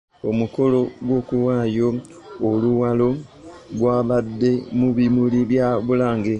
Omukolo gw'okuwaayo oluwalo gwabadde mu bimuli bya Bulange.